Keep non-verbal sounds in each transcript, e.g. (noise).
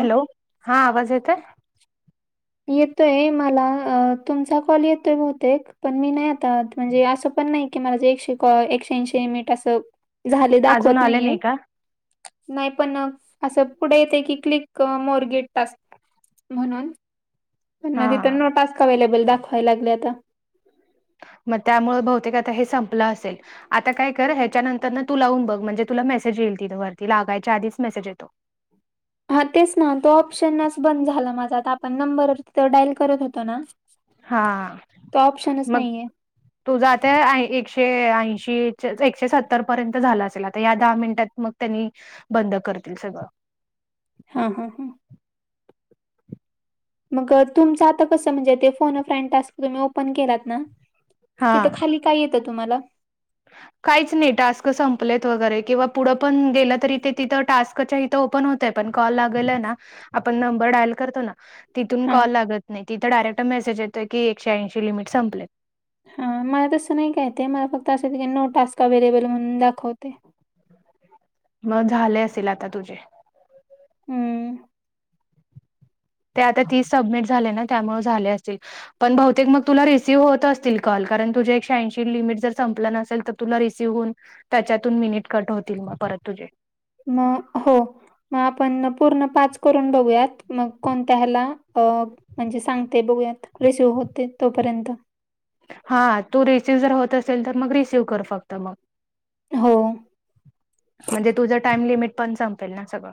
Hello, हा आवाज येतोय. येतोय मला, अ तुमचा कॉल येतोय बहुतेक, पण मी नाय आता, म्हणजे असं पण नाय की माझे एकशे कॉ एकशे ऐशी मिनीट, अस झाले अजून दाखवत आले नाहीये. नाही का नाय पण, असं पुढे येतंय की, क्लिक मोर गेट टास्क म्हणून पण, ना तिथं हा नो टास्क अवेलेबल दाखवाय लागलय आता. म त्यामुळे बहुतेक आता हे संपलं असेल. आता काय कर, ह्याच्यानंतर न तू लावून बघ, म्हणजे तुला मेसेज येईल तिथं वरती, लागायच्या आधीच मेसेज येतो. हा, तेच ना, तो ऑप्शनच बंद झाला माझा, आता आपण नंबर तिथ डायल करत होतो ना हा, तो ऑप्शनच मग नाहीये तुझ आते आय एकशे ऐंशी, एकशे सत्तर पर्यंत झालं असेल, आता या दहा मिनिटात मग, त्यांनी बंद करतील सगळं हा ह हं मग तुमचं आता कसं म्हणजे, ते फोन फ्रेंड टास्क तुम्ही ओपन केलात ना तिथं हा खाली काय येतं तुम्हाला? काहीच नाही टास्क संपलेत वगैरे, किंवा पुढं पण गेलं, तरी ते तिथं टास्क त्याच्या इथं ओपन होतय, पण कॉल लागल ना आपण नंबर डायल करतो ना, तिथून हा कॉल लागत नाही, तिथ डायरेक्ट मेसेज येतोय की, एकशे ऐंशी लिमिट संपलेत. हा, मला तसं नाही काय ते, मला फक्त असं काही नो टास्क अवेलेबल म्हणून दाखवतय. मग झाले असेल आता तुझे हम्म. ते आता ती सबमिट झाले ना त्यामुळे झाले असेल. पण बहुतेक मग तुला रिसीव्ह होत असतील कॉल कारण तुझ्या एकशे ऐंशी लिमिट जर संपलं नसेल तर तुला रिसीव्ह होऊन त्याच्यातून मिनिट कट होतील मग परत तुझे मग हो मग आपण पूर्ण पाच करून बघूयात. मग कोणत्या ह्याला म्हणजे सांगते बघूयात रिसिव्ह होते तोपर्यंत हा तू रिसिव्ह जर होत असेल तर मग रिसिव्ह कर फक्त मग हो. म्हणजे तुझ टाइम लिमिट पण संपेल ना सगळं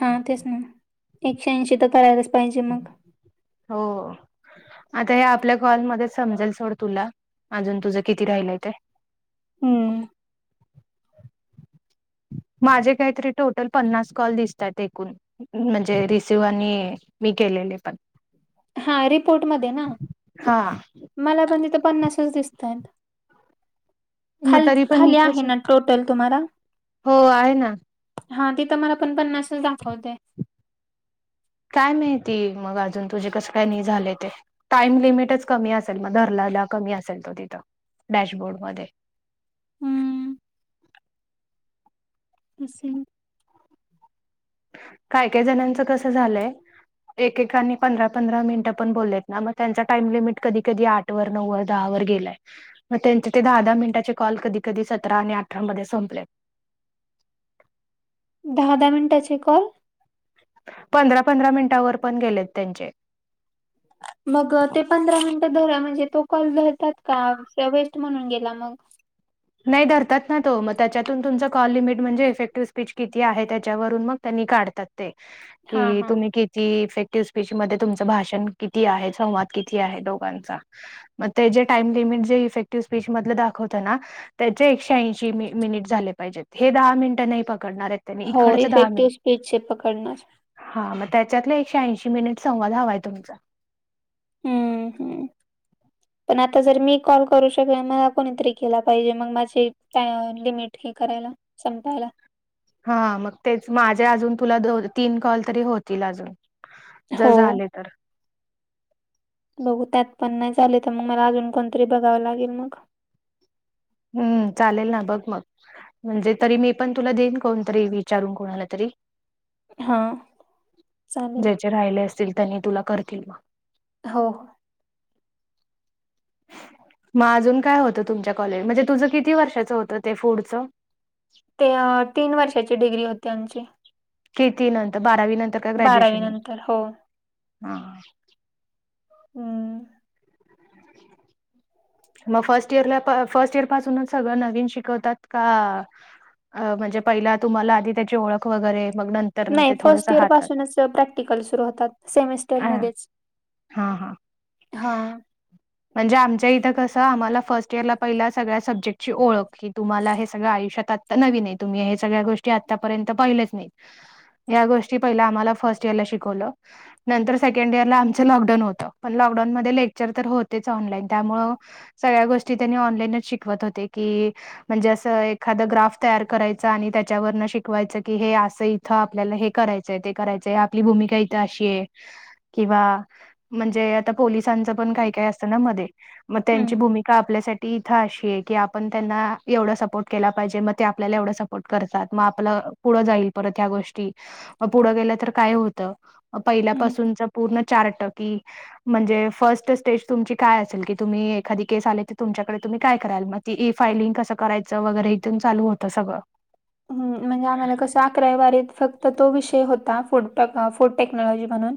हा, तेच ना, एकशे ऐंशी तर करायलाच पाहिजे मग. हो, आता हे आपल्या कॉलमध्ये समजेल सोड तुला अजून तुझं किती राहिलंय ते हम्म. माझे काहीतरी टोटल पन्नास कॉल दिसतात एकूण म्हणजे रिसिव आणि मी केलेले पण हा रिपोर्ट मध्ये ना हा मला पण तिथे पन्नासच दिसतय. मग खाली तरी पण खाली कस आहे ना टोटल तुम्हाला हो आहे ना हा तिथं मला पण पन्नासच दाखवतय. काय माहिती मग अजून तुझे कसं काय नाही झाले ते, टाईम लिमिटच कमी असेल मग धरल्याला कमी असेल तो तिथं डॅशबोर्डमध्ये हम्म. अससेे (unintelligible) काय काय जणांचं कसं झालंय? एकेकांनी पंधरा पंधरा मिनिटं पण बोललेत ना मग त्यांचा टाईम लिमिट कधी कधी आठ आठ वर नऊ वर दहा वर गेलाय मग त्यांचे ते दहा दहा मिनिटाचे कॉल कधी कधी सतरा आणि अठरामध्ये संपले. दहा दहा मनिटाचे कॉल पंधरा पंधरा मिनिटावर पण गेलेत त्यांचे मग ते पंधरा मिनिटं धर म्हणजे तो कॉल धरतात का वेस्ट म्हणून गेला मग नाही धरात ना तो मग त्याच्यातून तुमच कॉल लिमिट म्हणजे इफेक्टिव्ह स्पीच किती आहे त्याच्यावरून मग त्यांनी काढतात. हा कि हा तुम्ही किती? ती इफेक्टिव स्पीच मध्ये तुमचं भाषण किती आहे संवाद किती आहे दोघांचा मग ते जे टाइम लिमट ज इफेक्टिव स्पीच मध दाखवत ना? त्याचे एकशे ऐंशी मिनिट झाले पाहिजेत हे दहा मिनिटं नाही पकडणार आहेत. त्यांनी हो इकडचं दहा इफेक्टिव्ह मिनिट स्पीजचे पकडण्या हा मग त्याच्यातलं एकशे ऐंशी मिनिट संवाद हवाय तुमचा हम्म हम्म (unintelligible) पण आता जर मी कॉल करू शकल मला कोणीतरी केला पाहिजे मग माझे लिमिट हे करायला संपायला. हा मग तेच माझे अजून तुला दोन तीन कॉल तरी होतील अजून जर हो झाले (unintelligible) बघू त्यात पण नाही चालेल तर मग मला अजून कोणतरी बघावं लागेल मग हम्म चालेल ना बघ मग म्हणजे तरी मी पण तुला देईन कोणतरी विचारून कोणाला तरी हा, चालेल. ज्याचे राहिले असतील, त्यांनी तुला करतील म. हो. मग अजून काय होतं तुमच्या कॉलेज, म्हणजे तुझं किती वर्षाचं होतं ते फूडचं? ते तीन वर्षाची डिग्री होती आमची. किती नंतर बारावी नंतर का बारावी ग्रॅज्युएशन, नंतर हो हा. हम्म मग फर्स्ट इयरला, फर्स्ट इयर पासूनच सगळं नवीन शिकवतात? का आ अ म्हणजे पहिला तुम्हाला, आधी त्याची ओळख वगैरे मग नंत नाही फर्स्ट इयर पासूनच प्रॅक्टिकल सुरू होतात, अ सेमिस्टरमध्येच. हां हां हा. म्हणजे आमच्या इथं कसं आम्हाला फर्स इयरला पहिला सगळ्या सब्जेक्टची ओळख, की तुम्हाला हे सगळ आयुष्यात नवीन आहे तुम्ही, हे सगळ्या गोष्टी आतापर्यंत पहिलेच नाहीत. या गोष्टी आम्हाला पहिल्या आम्हाला फर्स्ट इयरला शिकवलं. नंतर सेकंड इयरला आमच लॉकडाऊन होत, पण लॉकडाऊन मध्ये लेक्चर तर होत ऑनलाईन, त्यामुळं सगळ्या गोष्टी त्यांनी ऑनलाईनच शिकवत होते, की म्हणजे असं एखाद ग्राफ तयार करायच, आणि त्याच्यावरन शिकवायचं, की हे असं आपल्याला हे करायचंय, ते करायचंय, आपली भूमिका इथं अशी आहे. किंवा, म्हणजे पोलिसांच पण काय काय असत ना मध्ये, म त्यांची हम्म भूमिका आपल्यासा ती इथं अशी आहे, की आपण त्यांना एवढा सपोर्ट केला पाहिजे, म ते आपल्याला एवढा सपोर्ट करतात, म आपलं पुढं जाईल परत ह्या गोष्टी, म पुढं गेल्या तर काय होत हम्म. पहिल्यापासूनचा पूर्ण चार्ट की, म्हणजे फर्स्ट स्टेज तुमची काय असेल, की तुम्ही एखादी केस आली की तुच्याकडे तुम्ही काय कराल? म ते ई फायलिंग कसं करायचं वगैरे (unintelligible) चालू होत सगळं. हम्म, म्हणजे आम्हाला कसं अकरावी, बारावीत फक्त तो विषय होता, फूड फूड टेक्नॉलॉजी म्हणून.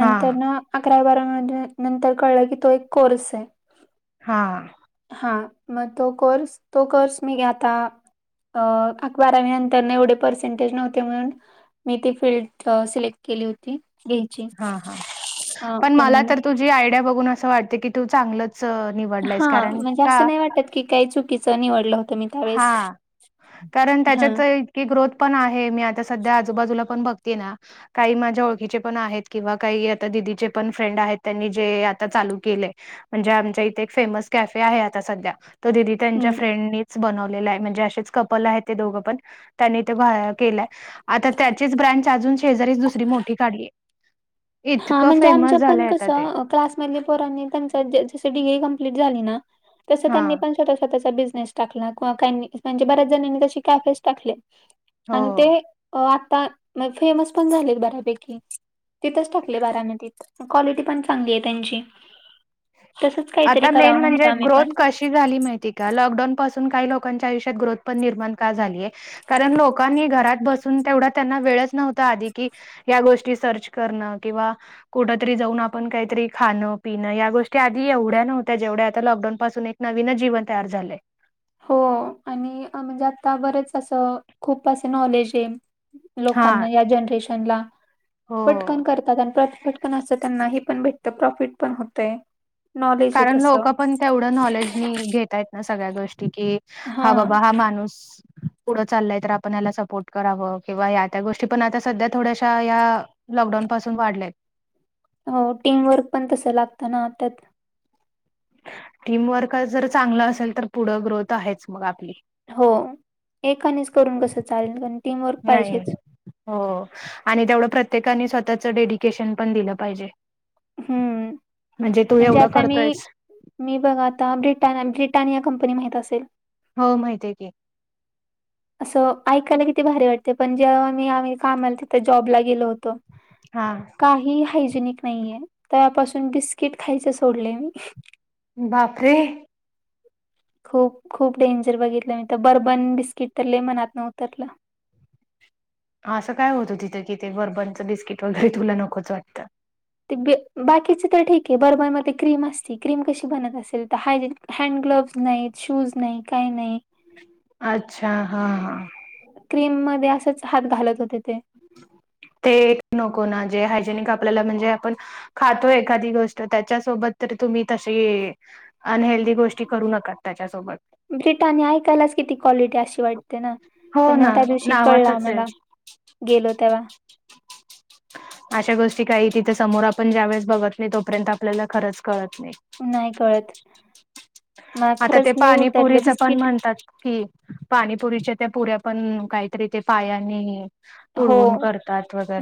हा न अकरावी बारावीमध्ये नंतर कळलं, की तो एक कोर्स आहे. हां. हा, म तो कोर्स, तो कोर्स मी आता अ अक बारावी नंतर एवढे पर्सेंटेज नव्हते म्हणून, मी ती फील्ड सिलेक्ट केली होती. घ्यायची हा हा, पण मला तर तुझी आयडिया बघून असं वाटते की तू चांगलंच अ निवडलायस हा, कारण म्हणजे का असं नाही वाटत की, काही चुकीचं निवडलं होतं मी त्यावेळेस. हा, कारण हा त्याच्यात की ग्रोथ पण आहे, मी आता सध्या आजूबाजूला पण बघते ना काही माझ्या ओळखीचे पण आहेत, किंवा काही आता दिदीचे पण फ्रेंड आहेत, त्यांनी जे आता चालू केलय म्हणजे आमच्या इथे एक फेमस कॅफे आहे आता सध्या, तो दिदी हम्म. त्यांच्या फ्रेंडनी बनवलेलं आहे, म्हणजे असेच कपल आहेत ते दोघे पण. त्यांनी ते (unintelligible) केलंय, आता त्याचीच ब्रँच अजून शेजारीच दुसरी मोठी काढली. (inaudible) हा, म्हणजे फेमस आमच्या पण झालंय कस आता ते क्लास म्हणजे पोरांनी पंचायत (unintelligible) कंप्लीट झाली ना, तस हा त्यांनी पण छोटासा तसा बिझनेस टाकला, किंवा म्हणजे बऱ्याच जणांनी तसे कॅफेच टाकले. आणि हो ते अ आता फेमस पण झालेत बऱ्यापैकी, तिथच टाक बारामतीत, क्वालिटी पण चांगलीय त्यांची. तसच काहीतरी आता मेन करावं म्हणजे म्हणतो आम्ही ग्रोथ पण. कशी झाली माहितीय का लॉकडाऊन पासून काही लोकांच्या आयुष्यात ग्रोथ पण निर्माण का झालीय कारण लोकांनी घरात बसून तेवढा त्यांना वेळच नव्हता आधी की या गोष्टी सर्च करणं किंवा कुठतरी जाऊन आपण काहीतरी खाणं पिणं या गोष्टी की एवढ्या नव्हत्या जेवढ्या आता लॉकडाउन पासून एक नवीनच जीवन तयार झालंय. हो आणि म म्हणजे आता बरेच असं खूप असं नॉलेज आहे. हा. लोकांना या जनरेशनला हो. पटकन करतात आणि पत पण असं त्यांना हे पण भेटतं प्रॉफिट पण होतंय. कारण लोकं पण तेवढं नॉलेज घेतायत ना सगळ्या गोष्टी की हा बाबा हा माणूस पुढं चालय तर आपण याला सपोर्ट करावं किंवा या त्या गोष्टी पण आता सध्या थोड्याशा या लॉकडाऊन पासून वाढलेत. हो टीमवर्क पण तसं लागतं ना त्यात टीम वर्क जर चांगलं असेल तर पुढं ग्रोथ आहेच मग आपली हो एकानेच करून कस चालेल टीमवर्क नाही पाहिजेच हो आणि तेवढं प्रत्येकानी स्वतःच डेडिकेशन पण दिलं पाहिजे हम्म म्हणजे तू एवढं आता मी करतयस मी बघा आता ब्रिट ब्रिटानिया कंपनी माहत असेल हो माहितीय आहे की असं ऐकायला किती भारी वाटते पण जेव्हा मी आम्ही काम आल तिथं जॉबला गेलो होतो हा काही हायजेनिक नाहीय त्यापासून बिस्किट खायच सोडले मी बापरे खूप खूप डेंजर बघितलं मी तर बर्बन बिस्किट तर ल मनात न उतरलं असं काय होतं तिथं कि ते बर्बनचं बिस्किट वगैरे तुला नकोच वाटतं ते ब बाकीच तर ठीक आहे बर्बनमध्ये क्रीम असते क्रीम कशी बनत असेल तर हायजिन हँड ग्लोव्स नाही शूज नाही काही नाही अच्छा हां हां क्रीम मध्ये असेच हात घालत होते ते ते नको ना जे हायजेनिक आपल्याला म्हणजे आपण खातो एखादी गोष्ट त्याच्यासोबत तरी तुम्ही तशी अनहेल्दी गोष्टी करू नकात त्याच्यासोबत ब्रिटानिया ऐकायलाच किती क्वालिटी अशी वाटते ना हो पण ना त्या दिवशी कळला नावातच आहे आम्हाला गेलो तेव्हा अशा गोष्टी काही तिथे समोर आपण ज्यावेेळेस बघत नाही तोपर्यंत आपल्याला खरंच कळत नाही नाही कळत मला आता ते खरंच लय उतरलं पाणीपुरीच पण बिस्किट म्हणतात कि पाणीपुरीच्या त्या पुऱ्या पण काहीतरी ते पायाने हो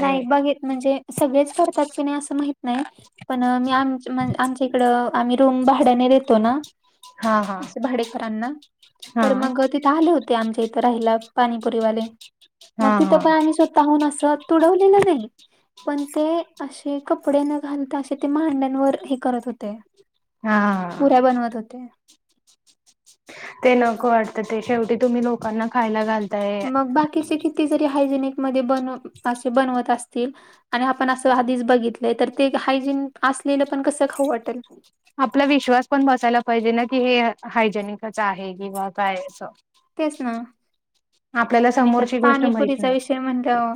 नाही बघेत म्हणजे सगळेच करतात की नाही असं माहत नाही पण मी आमण आमच्या इकडं आम्ही रूम भाड्याने देतो ना हा हा असे भाडेकरांना हा तर मग तिथ आले होते आमच्या इथं राहिला पाणीपुरीवाले हा मग हा तिथं पण स्वतःहून अस तडवलेलं नाही पण ते असे कपडे न घालता असे ते मांड्यांवर हे करत होते हा हा पुऱ्या बनवत होते. ते नको वाटतं ते शेवटी तुम्ही लोकांना खायला घाल मग बाकीचे किती जरी हायजेनिक मध्ये बन असे बनवत असतील आणि आपण असं आधीच बघितलंय तर ते हायजीन असलेलं पण कसं खाऊ वाटल. आपला विश्वास पण बसायला पाहिजे ना की हे हायजेनिकच आहे. किंवा काय असं, तेच ना, आपल्याला आणि त्यात समोरची पाणीपुरीचा विषय म्हणल्याव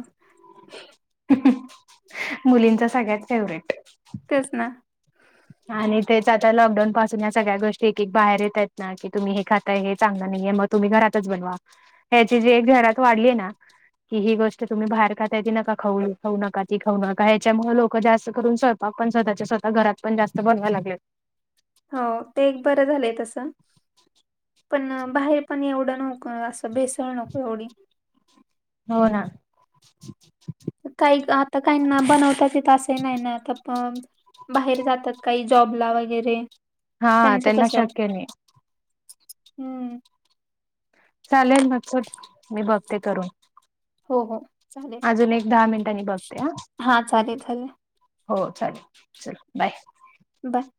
मुलींच्या सगळ्यात फेवरेट तेच ना आणि तेच आता लॉकडाऊन पासून या सगळ्या गोष्टी एक एक बाहेर येत आहेत ना, की तुम्ही हे खाताय. हे चांगलं नाहीये मग तुम्ही घरातच बनवा ह्याची जी घरात वाढली आहे ना? कि ही गोष्ट तुम्ही बाहेर कााताय त नका खाऊ खाऊ नका ती खाऊ नका ह्याच्यामुळे लोक जास्त करून स्वय पाक पण स्तःच्या स्वतः घरात पण जास्त बनवाय लागलेत. हो ते एक बरं झालंय तसं. (inaudible) पण बाहेर पण एवढं नको असं भेसळ नको एवढी. हो ना. (inaudible) काही का आता काही ना बनवताच असंही नाही ना आता पण. बाहेर जातात काही जॉबला वगैरे. हा त्यांचं त्यांना कस शक्य नाही हम्म. चालेल मग तर मी बघते करून. हो हो चालेल. अजून एक दहा मिनिटांनी बघते ह. हा चालेल चाले हो चालेल चल बाय. बाय.